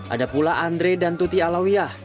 ada pula andre dan tuti alawiah